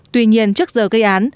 tuy nhiên trước giờ gây án